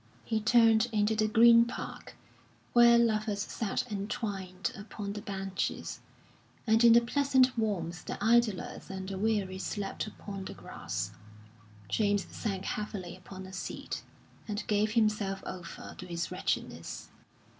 He turned into the Green Park, where lovers sat entwined upon the benches, and in the pleasant warmth the idlers and the weary slept upon the grass. James sank heavily upon a seat, and gave himself over to his wretchedness.